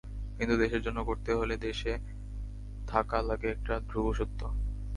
কিন্তু দেশের জন্য করতে হলে দেশই থাকা লাগে এটি ধ্রুব সত্য।